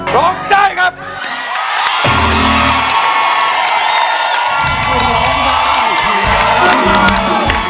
ร้องได้ให้ร้าง